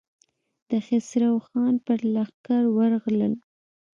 د خسرو خان پر لښکر ورغلل.